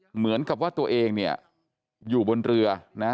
เหมือนกับว่าตัวเองเนี่ยอยู่บนเรือนะ